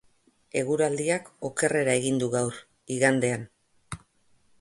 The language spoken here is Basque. Eguraldiak okerrera egin du gaur, igandean.